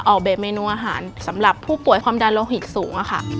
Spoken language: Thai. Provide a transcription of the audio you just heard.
ออกแบบเมนูอาหารสำหรับผู้ป่วยความดันโลหิตสูงค่ะ